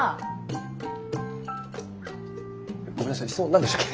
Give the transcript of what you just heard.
ごめんなさい質問何でしたっけ？